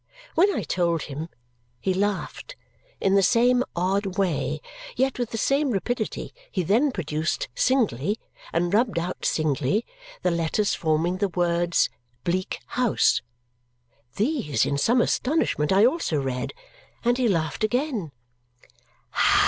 When I told him, he laughed. In the same odd way, yet with the same rapidity, he then produced singly, and rubbed out singly, the letters forming the words Bleak House. These, in some astonishment, I also read; and he laughed again.